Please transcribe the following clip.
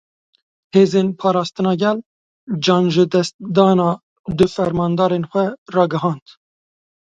Hêzên Parastina Gel canjidestdana du fermandarên xwe ragihand.